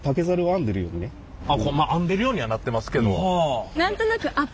編んでるようにはなってますけど。